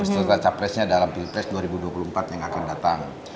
serta capresnya dalam pilpres dua ribu dua puluh empat yang akan datang